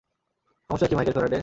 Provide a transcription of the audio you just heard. সমস্যা কি, Michael Faraday?